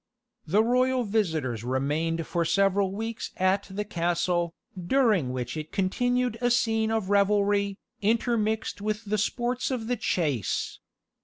The royal visitors remained for several weeks at the castle, during which it continued a scene of revelry, intermixed with the sports of the chase.